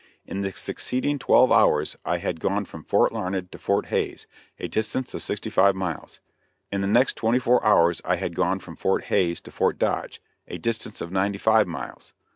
In the succeeding twelve hours I had gone from Fort Larned to Fort Hays, a distance of sixty five miles. In the next twenty four hours I had gone from Fort Hays to Fort Dodge, a distance of ninety five miles.